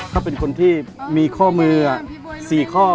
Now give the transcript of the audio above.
ถ้าเป็นคนที่มีข้อมือ๔ข้อ